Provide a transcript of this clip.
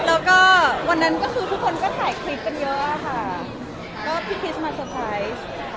แล้วก็วันนั้นก็คือทุกคนก็ถ่ายคลิปกันเยอะค่ะก็พี่คริสต์มาเตอร์ไพรส์